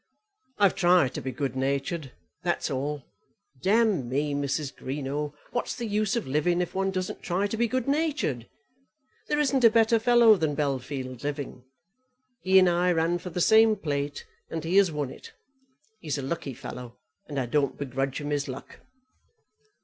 "I've tried to be good natured; that's all. D me, Mrs. Greenow, what's the use of living if one doesn't try to be good natured? There isn't a better fellow than Bellfield living. He and I ran for the same plate, and he has won it. He's a lucky fellow, and I don't begrudge him his luck."